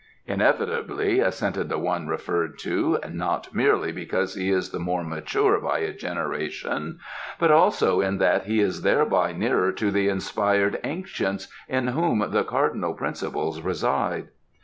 "Inevitably," assented the one referred to; "not merely because he is the more mature by a generation, but also in that he is thereby nearer to the inspired ancients in whom the Cardinal Principles reside."